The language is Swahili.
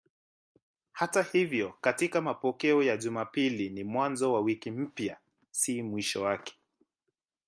Hata hivyo katika mapokeo hayo Jumapili ni mwanzo wa wiki mpya, si mwisho wake.